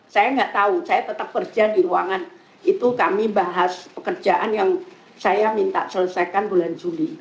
saya nggak tahu saya tetap kerja di ruangan itu kami bahas pekerjaan yang saya minta selesaikan bulan juli